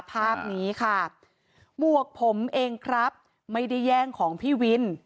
ภาพนี้ค่ะหมวกผมเองครับไม่ได้แย่งของพี่วิน